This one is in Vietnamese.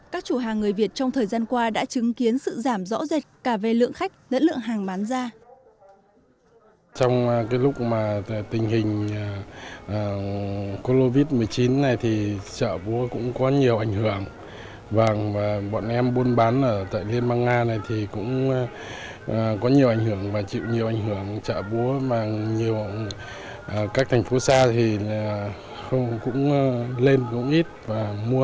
các chủ hàng người việt trong thời gian qua đã chứng kiến sự giảm rõ rệt cả về lượng khách lẫn lượng hàng bán ra